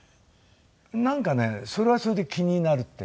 なんかねそれはそれで気になるっていうか。